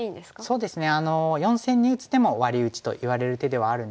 そうですね。